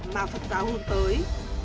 mà phật giáo hướng tới